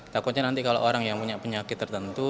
takutnya nanti kalau orang yang punya penyakit tertentu